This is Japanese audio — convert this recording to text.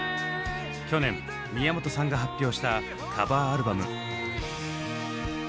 去年宮本さんが発表したカバーアルバム。